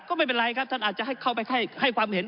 ก็ไม่เป็นไรครับท่านอาจจะให้เข้าไปให้ความเห็น